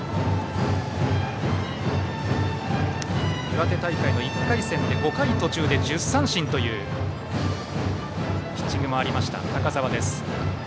岩手大会の１回戦で５回途中で１０三振というピッチングもありました、高澤。